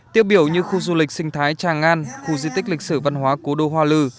tiêu biểu như khu du lịch sinh thái tràng an khu di tích lịch sử văn hóa cố đô hoa lư